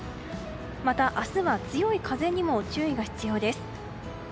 また明日は強い風にも注意が必要です。